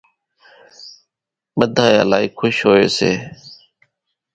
ٻڌانئين الائي کُش ھوئي سي